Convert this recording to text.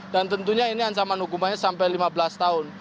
dan tentunya ini ansaman hukumannya sampai lima belas tahun